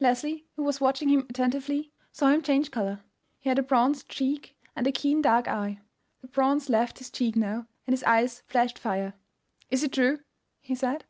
Leslie, who was watching him attentively, saw him change color. He had a bronzed cheek and a keen, dark eye. The bronze left his cheek now, and his eyes flashed fire. "Is it true?" he said.